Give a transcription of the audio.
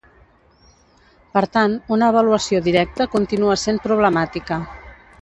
Per tant, una avaluació directa continua sent problemàtica.